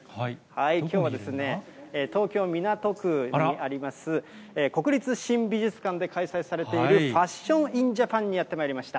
きょうは、東京・港区にあります、国立新美術館で開催されているファッション・イン・ジャパンにやってまいりました。